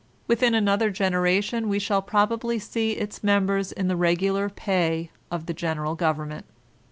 Within another generation we shall probably see its members in the regular pay of the general govern* ment.